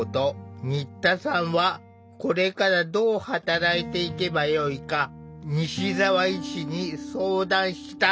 新田さんは「これからどう働いていけばよいか」西澤医師に相談した。